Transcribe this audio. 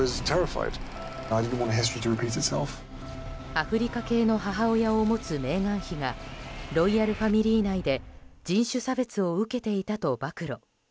アフリカ系の母親を持つメーガン妃がロイヤルファミリー内で人種差別を受けていたと暴露。